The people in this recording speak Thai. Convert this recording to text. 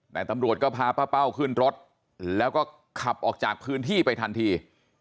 แต่ตำรวจก็พาป้าเป้าขึ้นรถแล้วก็ขับออกจากพื้นที่ไปทันที